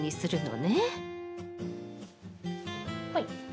はい。